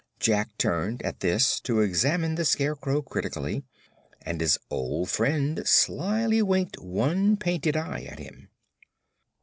Jack turned, at this, to examine the Scarecrow critically, and his old friend slyly winked one painted eye at him.